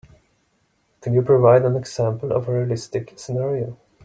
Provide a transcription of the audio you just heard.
Could you provide an example of a realistic scenario?